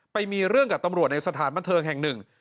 ไปมีเรื่องกับตำรวจในสถานบันเทิงแห่งหนึ่ง